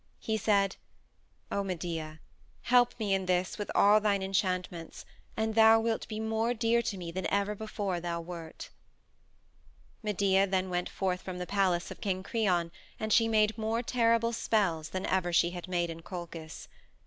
He said, "O Medea, help me in this with all thine enchantments and thou wilt be more dear to me than ever before thou wert." Medea then went forth from the palace of King Creon and she made more terrible spells than ever she had made in Colchis.